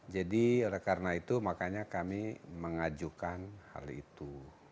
jadi karena itu makanya kami mengajukan hal itu